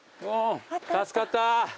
助かったー。